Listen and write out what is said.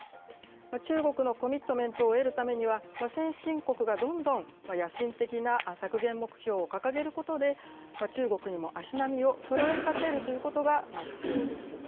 中国のコミットメントを得るためには、先進国がどんどん野心的な削減目標を掲げることで、中国にも足並みをそろえさせるということが必要です。